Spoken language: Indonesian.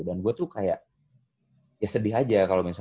dan gue tuh kayak ya sedih aja kalau misalnya